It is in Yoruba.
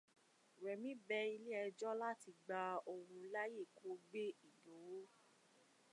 Rẹ̀mí bẹ ilé ẹjọ́ láti gbà òun láàyè kó gbé Ìgbòho.